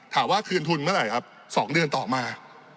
ถามว่าคืนทุนเมื่อไหร่ครับ๒เดือนต่อมา